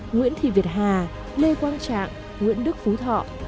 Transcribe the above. nguyễn thị việt hà lê quang trạng nguyễn đức phú thọ